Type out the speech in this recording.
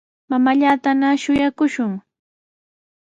Mamaallatana shuyaakushun.